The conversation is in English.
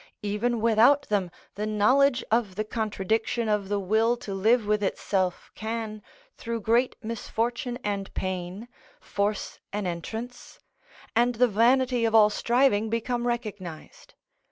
Even without them the knowledge of the contradiction of the will to live with itself can, through great misfortune and pain, force an entrance, and the vanity of all striving become recognised.